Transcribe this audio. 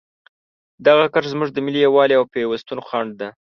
دغه کرښه زموږ د ملي یووالي او پیوستون خنډ ده.